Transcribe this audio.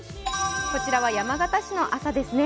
こちらは山県市の朝ですね。